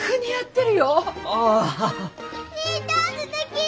にいちゃんすてき！